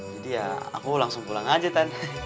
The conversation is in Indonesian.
jadi ya aku langsung pulang aja tan